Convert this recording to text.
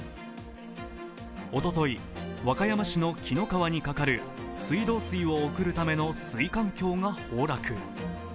おととい、和歌山市の紀の川にかかる水道水を送るための水管橋が崩落。